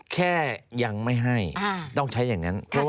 แค่ยังไม่ให้ต้องใช้อย่างนั้น